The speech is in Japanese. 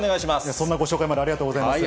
そんなご紹介までありがとうございます。